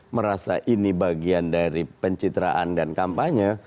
merasa ini bagian dari pencitraan dan kampanye